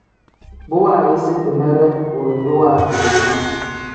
Bu waayisi timere wilidu waadu yi ne.